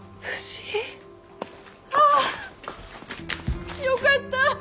あぁよかったぁ。